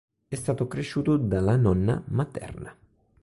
È stato cresciuto dalla nonna materna.